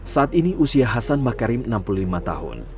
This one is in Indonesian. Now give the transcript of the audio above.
saat ini usia hasan makarim enam puluh lima tahun